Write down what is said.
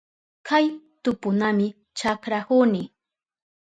Kay tuputami chakrahuni.